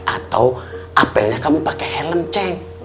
atau apelnya kamu pake helm ceng